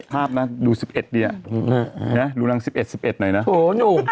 แป๊บเดี๋ยวอะไรก็ไม่รู้